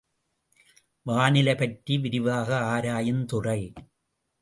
வானிலை பற்றி விரிவாக ஆராயுந் துறை.